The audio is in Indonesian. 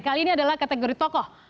kali ini adalah kategori tokoh